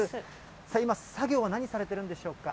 今、作業は何をされてるんでしょうか？